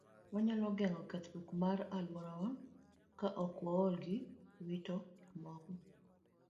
Wanyalo geng'o kethruok mar alworawa ka ok waol gi wito gik moko.